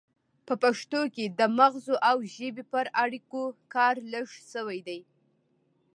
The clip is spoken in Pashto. په پښتو کې د مغزو او ژبې پر اړیکو کار لږ شوی دی